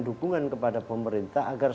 dukungan kepada pemerintah agar